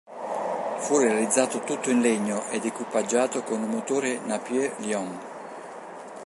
Fu realizzato tutto in legno ed equipaggiato con un motore Napier Lion.